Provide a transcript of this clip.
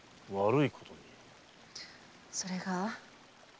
それが。